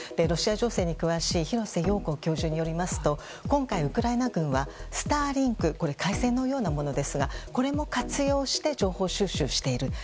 ロシア情勢に詳しい廣瀬陽子教授によりますと今回、ウクライナ軍はスターリンク回線のようなものですがこれも活用して情報収集している。